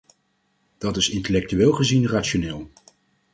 Dat is intellectueel gezien rationeel.